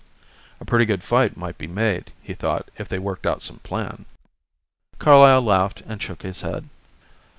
A pretty good fight might be made, he thought, if they worked out some plan. Carlyle laughed and shook his head.